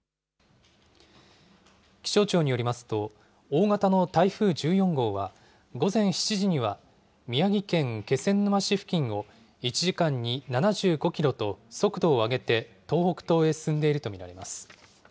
気象庁によりますと、大型の台風１４号は、午前７時には、宮城県気仙沼市付近を１時間に７５キロと、速度を上げて東北東へ進んでいると見られます。